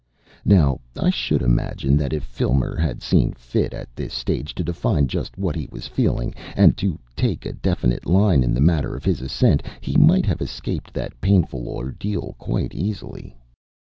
Now I should imagine that if Filmer had seen fit at this stage to define just what he was feeling, and to take a definite line in the matter of his ascent, he might have escaped that painful ordeal quite easily.